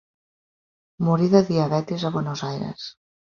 Morí de diabetis a Buenos Aires.